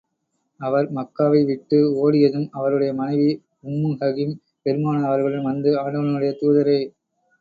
அவர் மக்காவை விட்டு ஒடியதும் அவருடைய மனைவி உம்மு ஹகீம் பெருமானார் அவர்களிடம் வந்து, ஆண்டவனுடைய தூதரே!